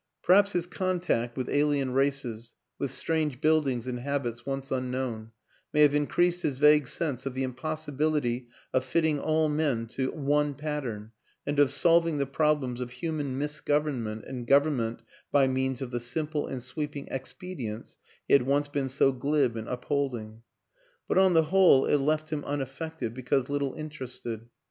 Perhaps his contact with alien races, with strange buildings and habits once unknown, may have increased his vague sense of the impossibility of fitting all men to one pat tern, and of solving the problems of human mis government and government by means of the simple and sweeping expedients he had once been so glib in upholding; but on the whole it left him. unaffected because little interested.